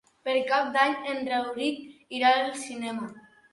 Per Cap d'Any en Rauric irà al cinema.